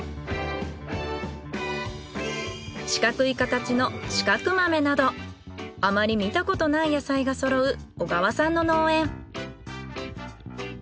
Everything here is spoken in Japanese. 四角い形の四角豆などあまり見たことない野菜が揃う小川さんの農園。